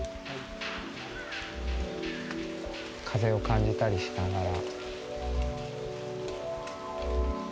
風を感じたりしながら。